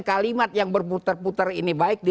kalimat yang berputar putar ini baik di